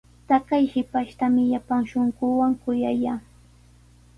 Taqay shipashtami llapan shunquuwan kuyallaa.